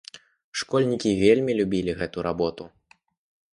Школьнікі вельмі любілі гэту работу.